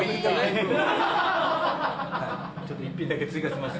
ちょっと１品だけ追加しました。